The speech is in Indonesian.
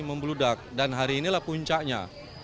membludak dan hari inilah puncaknya